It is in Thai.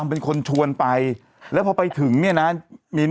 เป็นการกระตุ้นการไหลเวียนของเลือด